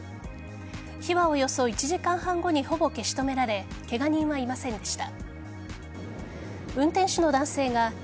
火はおよそ１時間半後にほぼ消し止められケガ人はいませんでした。